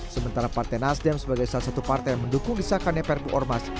sementara partai nasdem sebagai salah satu partai yang mendukung disahkannya perpu ormas